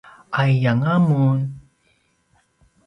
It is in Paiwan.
’aiyanga mun?